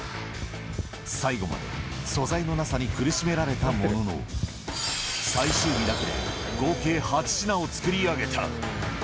最後まで素材のなさに苦しめられたものの、最終日だけで合計８品を作り上げた。